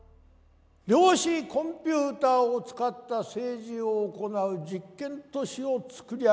量子コンピューターを使った政治を行う実験都市を作り上げました。